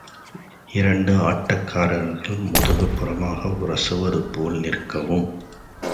இரண்டு ஆட்டக்காரர்கள் முதுகுப்புறமாக உரசுவதுபோல நிற்கவும்.